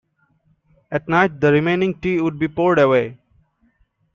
At night, the remaining tea would be poured away.